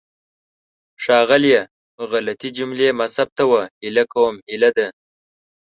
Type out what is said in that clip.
ښاغلیه! غلطې جملې مه ثبتوه. هیله کوم هیله ده.